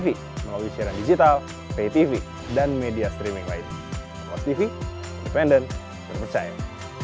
bisa berjalan dengan lebih baik